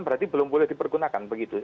berarti belum boleh dipergunakan begitu